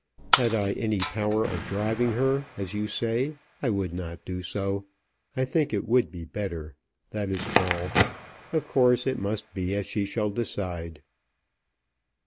"Had I any power of driving her, as you say, I would not do so. I think it would be better. That is all. Of course it must be as she shall decide."